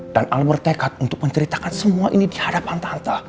dan al bertekad untuk menceritakan semua ini di hadapan tante